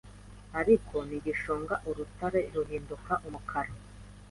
ariko ntigishonga urutare ruhinduka umukara